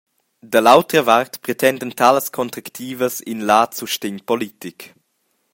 Da l’autra vart pretendan talas contractivas in lad sustegn politic.